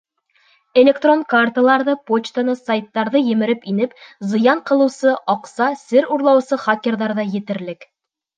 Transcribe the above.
Электрон карталарҙы, почтаны, сайттарҙы емереп инеп, зыян ҡылыусы, аҡса, сер урлаусы хакерҙар ҙа етерлек.